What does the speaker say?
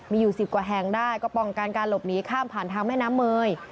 มีอยู่๑๐กว่าแห่งได้ก็ป้องกันการหลบหนีข้ามผ่านทางแม่น้ำเมย